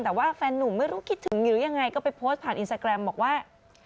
แต่ว่าแฟนนุ่มไม่รู้คิดถึงหรือยังไงก็ไปโพสต์ผ่านอินสตาแกรมบอกว่า